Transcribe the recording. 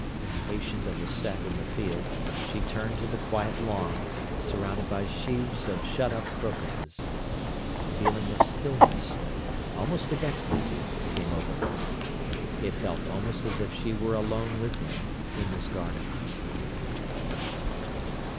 Impatient of the set in the field, she turned to the quiet lawn, surrounded by sheaves of shut up crocuses. A feeling of stillness, almost of ecstasy, came over her. It felt almost as if she were alone with him in this garden.